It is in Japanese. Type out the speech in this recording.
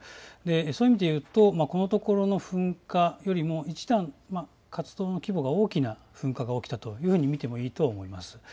そういう意味で言うとこのところの噴火よりも一段、活動の規模が大きな噴火が起きたというふうにも見ていいと思います。